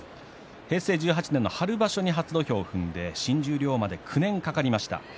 平成１８年の春場所に初土俵を踏んで、新十両まで９年かかりました。